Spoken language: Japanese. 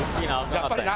やっぱりな。